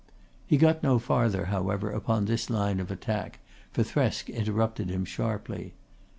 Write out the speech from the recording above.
He got no farther however upon this line of attack, for Thresk interrupted him sharply.